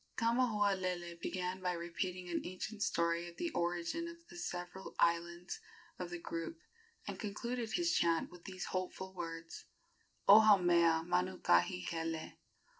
Kamahualele began by repeating an ancient story of the origin of the several islands of the group, and concluded his chant with these hopeful words: "O Haumea Manukahikele.